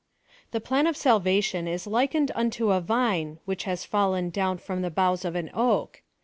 Tiie Plan of Salvation is likened unto a vine which has fallen down from the bouofhs of an oak.